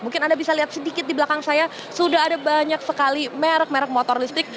mungkin anda bisa lihat sedikit di belakang saya sudah ada banyak sekali merek merek motor listrik